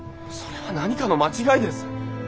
それは何かの間違いです。